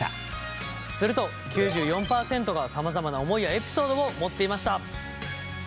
すると９４％がさまざまな思いやエピソードを持っていました。